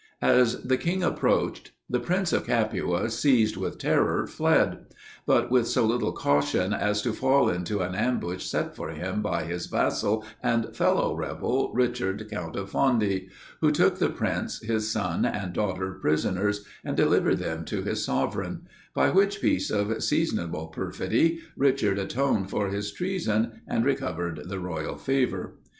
As the king approached, the prince of Capua, seized with terror, fled; but with so little caution as to fall into an ambush set for him by his vassal and fellow rebel, Richard Count of Fondi; who took the prince his son and daughter prisoners, and delivered them to his sovereign; by which piece of seasonable perfidy, Richard atoned for his treason, and recovered the royal favour.